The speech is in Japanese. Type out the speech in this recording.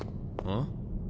ん？